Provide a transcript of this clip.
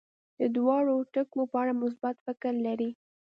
د دواړو ټکو په اړه مثبت فکر لري.